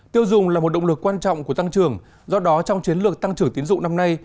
tiêu dùng là một động lực quan trọng của tăng trưởng do đó trong chiến lược tăng trưởng tiến dụng năm nay